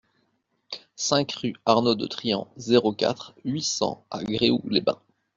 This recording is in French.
cinq rue Arnaud de Trian, zéro quatre, huit cents à Gréoux-les-Bains